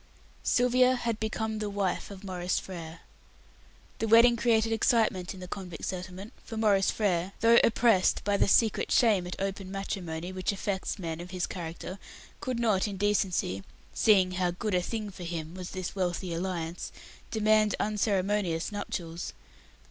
Sylvia had become the wife of Maurice Frere. The wedding created excitement in the convict settlement, for Maurice Frere, though oppressed by the secret shame at open matrimony which affects men of his character, could not in decency seeing how "good a thing for him" was this wealthy alliance demand unceremonious nuptials.